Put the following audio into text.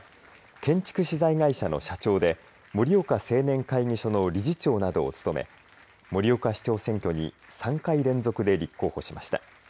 建築資材会社の社長で盛岡青年会議所の理事長などを務め盛岡市長選挙に３回連続で立候補しました。